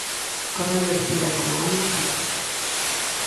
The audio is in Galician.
correndo espida coma unha puta.